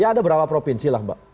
ya ada berapa provinsi lah mbak